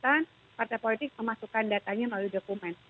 sampai saat yang bersangkutan partai politik memasukkan datanya melalui dokumen